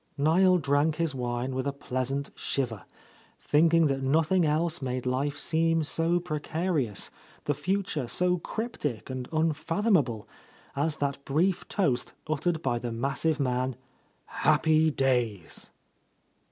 Niel drank his wine with a pleasant shiver, thinking that nothing else made life seem so precarious, the future so cryptic and unfathomable, as that brief toast uttered by the massive man, "Happy days